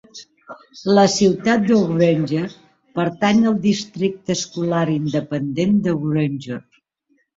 La ciutat de Granger pertany al districte escolar independent de Granger.